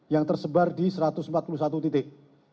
yang tersebar di satu ratus empat puluh satu titik